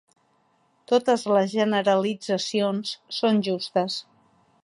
Totes les generalitzacions són justes.